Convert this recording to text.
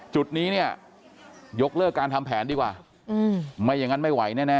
จุดนี้เนี่ยยกเลิกการทำแผนดีกว่าไม่อย่างนั้นไม่ไหวแน่